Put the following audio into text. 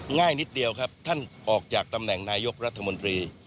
ง่ายนิดเดียวครับท่านออกจากตำแหน่งนายกรัฐมนตรี